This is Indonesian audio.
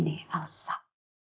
ntar yang ada lu kangen lagi sama dia